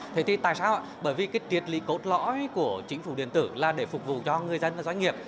thế thì tại sao bởi vì cái triệt lý cốt lõi của chính phủ điện tử là để phục vụ cho người dân và doanh nghiệp